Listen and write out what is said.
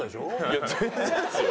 いや全然ですよ。